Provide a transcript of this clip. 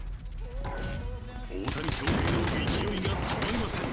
大谷翔平の勢いが止まりません。